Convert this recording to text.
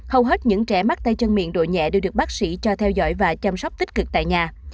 hầu hết những trẻ mắc tay chân miệng đội nhẹ đều được bác sĩ cho theo dõi và chăm sóc tích cực tại nhà